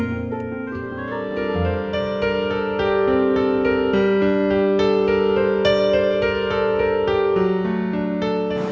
ส่วนความพอเพียงเราก็ถูกพูดอยู่ตลอดเวลาในเรื่องของความพอเพียง